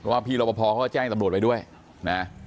เพราะว่าพี่รบพก็แจ้งตำรวจไปด้วยนะ